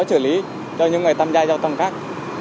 xử lý cho những người tham gia giao thông khác